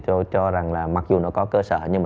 tôi cho rằng là mặc dù nó có cơ sở nhưng mà